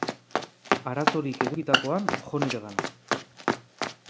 Arazorik edukitakoan, jo niregana.